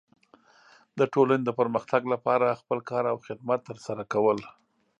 د ټولنې د پرمختګ لپاره خپل کار او خدمت ترسره کول.